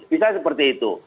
bisa seperti itu